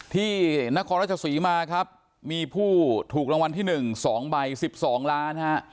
ที่นครรัชสุริมาครับมีผู้ถูกรางวัลที่หนึ่งสองใบสิบสองล้านฮะ